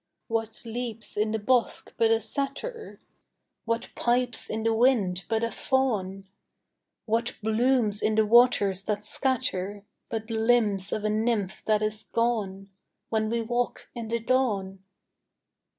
What leaps in the bosk but a satyr? What pipes in the wind but a faun? What blooms in the waters that scatter But limbs of a nymph that is gone, When we walk in the dawn?